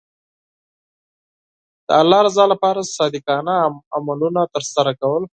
د الله رضا لپاره د صادقانه عملونو ترسره کول.